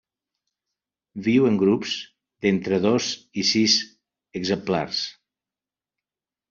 Viu en grups d'entre dos i sis exemplars.